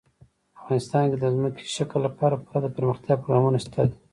افغانستان کې د ځمکني شکل لپاره پوره دپرمختیا پروګرامونه شته دي.